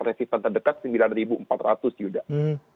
resistance terdekat rp sembilan empat ratus yudha